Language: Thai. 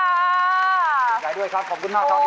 สุดใจด้วยครับขอบคุณมากทุกที่